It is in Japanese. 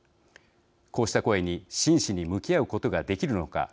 こうした声に真摯に向き合うことができるのか